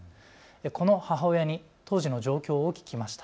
この母親に当時の状況を聞きました。